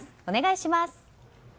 お願いします。